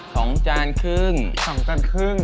จานครึ่งสองจานครึ่ง